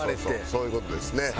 そういう事ですね。